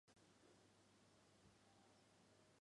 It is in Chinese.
秦彦和毕师铎也加入了秦宗衡军。